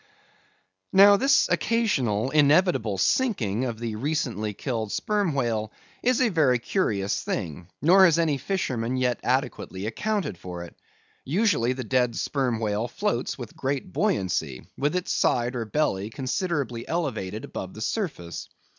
Now, this occasional inevitable sinking of the recently killed Sperm Whale is a very curious thing; nor has any fisherman yet adequately accounted for it. Usually the dead Sperm Whale floats with great buoyancy, with its side or belly considerably elevated above the surface.